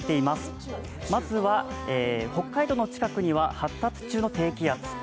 まずは北海道の近くには発達中の低気圧。